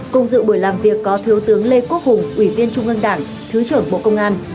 cùng dự buổi làm việc có thiếu tướng lê quốc hùng ủy viên trung ương đảng thứ trưởng bộ công an